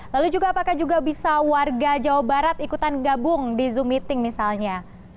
lalu juga apakah juga bisa warga jawa barat ikutan gabung di zoom meeting misalnya